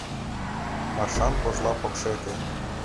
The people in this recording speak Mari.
— Маршан кожла покшеке